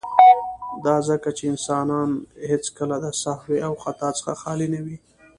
، دا ځکه چې انسان هيڅکله د سهو او خطا څخه خالي نه وي.